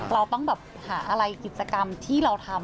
เราต้องแบบหาอะไรกิจกรรมที่เราทำ